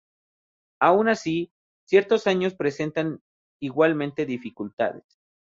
Aun así, ciertos años presentan igualmente dificultades.